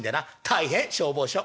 「大変消防署」。